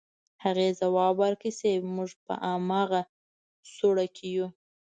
هغې ځواب ورکړ صيب موږ په امغه سوړه کې يو.